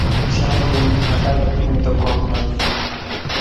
সারা দিন খাটাখাটুনি তো কম নয়।